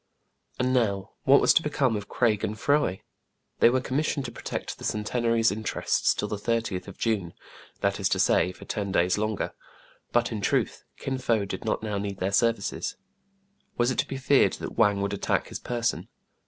And now, what was to become of Craig and Fry.'* They were commissioned to protect the Centenary's interests till the 30th of June, — that is to say, for ten days longer ; but, in truth, Kin Fo did not now need their services. Was it to be feared that Wang would attack his person